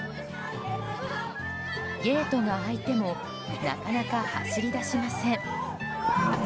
ゲートが開いてもなかなか走り出しません。